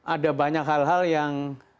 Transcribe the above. ada banyak hal hal yang